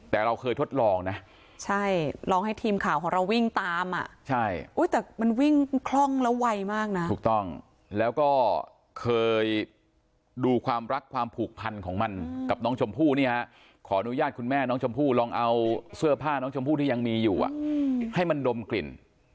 แต่เราเคยทดลองนะใช่ลองให้ทีมข่าวของเราวิ่งตามอ่ะใช่อุ้ยแต่มันวิ่งคล่องแล้วไวมากนะถูกต้องแล้วก็เคยดูความรักความผูกพันของมันกับน้องชมพู่เนี่ยฮะขออนุญาตคุณแม่น้องชมพู่ลองเอาเสื้อผ้าน้องชมพู่ที่ยังมีอยู่อ่ะให้มันดมกลิ่น